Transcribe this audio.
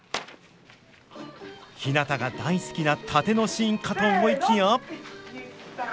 ひなたが大好きな殺陣のシーンかと思いきや。